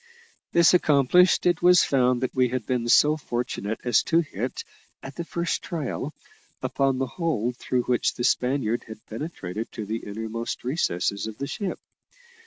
This accomplished, it was found that we had been so fortunate as to hit, at the first trial, upon the hole through which the Spaniard had penetrated to the innermost recesses of the ship.